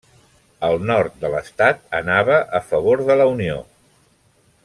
El nord de l'estat anava a favor de la Unió.